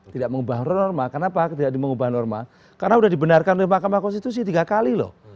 tidak mengubah norma kenapa tidak mengubah norma karena sudah dibenarkan oleh mahkamah konstitusi tiga kali loh